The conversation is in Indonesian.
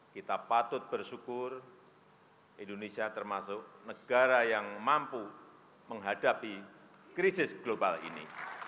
kita patut bersyukur indonesia termasuk negara yang mampu menghadapi krisis global ini